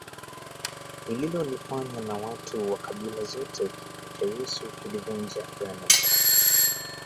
nililolifanya na watu wa kabila zote Kifo cha Yesu kilivunja Agano la kwanza